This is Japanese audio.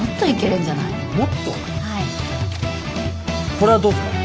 これはどうっすかね？